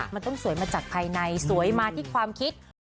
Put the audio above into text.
มันต้องสวยมาจากภายในสวยมาที่ความคิด